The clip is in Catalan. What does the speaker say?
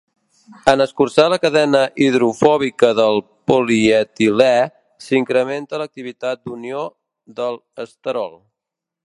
En escurçar la cadena hidrofòbica del polietilè, s'incrementa l'activitat d'unió del esterol.